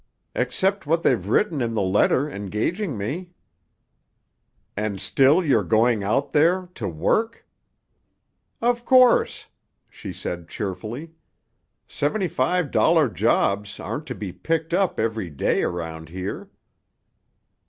"Except what they've written in the letter engaging me." "And still you're going out there—to work?" "Of course," she said cheerfully. "Seventy five dollar jobs aren't to be picked up every day around here."